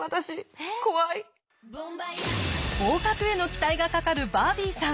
合格への期待がかかるバービーさん。